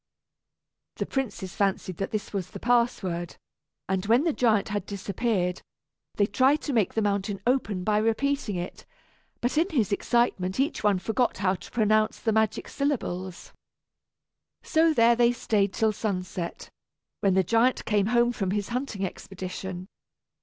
The princes fancied that this last was the password, and when the giant had disappeared they tried to make the mountain open by repeating it; but in his excitement each one forgot how to pronounce the magic syllables. So there they stayed till sunset, when the giant came home from his hunting expedition.